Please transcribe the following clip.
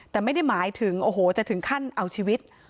แต่ไม่ได้หมายถึงโอ้โหจะถึงขั้นเอาชีวิต